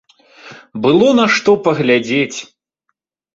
Было на што паглядзець.